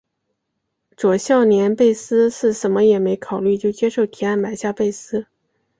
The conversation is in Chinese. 佐孝连贝斯是甚么也没考虑就接受提案买下贝斯。